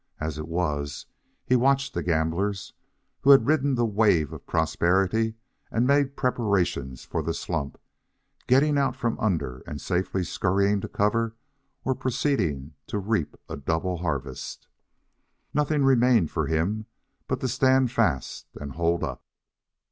As it was, he watched the gamblers, who had ridden the wave of prosperity and made preparation for the slump, getting out from under and safely scurrying to cover or proceeding to reap a double harvest. Nothing remained for him but to stand fast and hold up.